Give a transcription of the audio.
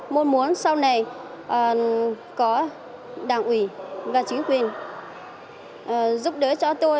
mong muốn sau này có đảng ủy và chính quyền giúp đỡ cho tôi